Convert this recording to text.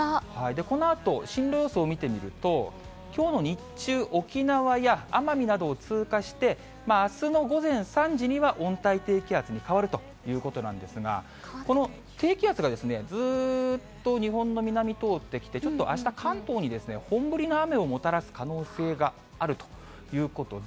このあと、進路予想を見てみると、きょうの日中、沖縄や奄美などを通過して、あすの午前３時には温帯低気圧に変わるということなんですが、この低気圧がずーっと日本の南通ってきて、ちょっとあした、関東に本降りの雨をもたらす可能性があるということで。